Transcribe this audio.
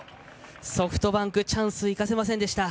ソフトバンクチャンスを生かせませんでした。